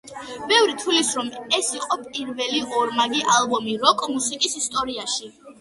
ბევრი თვლის, რომ ეს იყო პირველი ორმაგი ალბომი როკ-მუსიკის ისტორიაში.